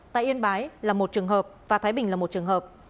tại yên bái là một trường hợp và thái bình là một trường hợp